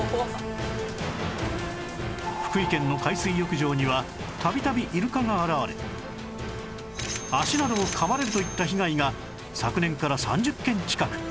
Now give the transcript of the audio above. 福井県の海水浴場には脚などを噛まれるといった被害が昨年から３０件近く